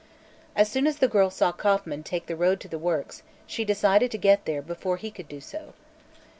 As soon as the girl saw Kauffman take the road to the works she decided to get there before he could do so.